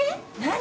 何？